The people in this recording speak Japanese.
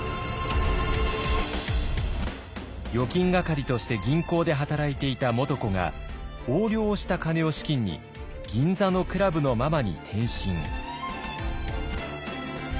預金係として銀行で働いていた元子が横領をした金を資金に銀座のクラブのママに転身。